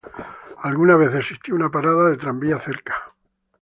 Alguna vez existió una parada de tranvía cerca.